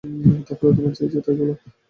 তাহলে তোমার যা ইচ্ছা তা বলো।